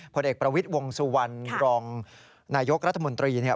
ผลเอกประวิทย์วงสุวรรณรองนายกรัฐมนตรีเนี่ย